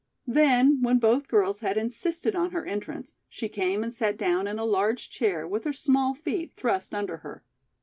Then, when both girls had insisted on her entrance, she came and sat down in a large chair with her small feet thrust under her.